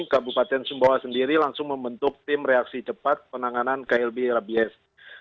kabupaten sumbawa sendiri langsung membentuk tim reaksi cepat penanganan klb rabies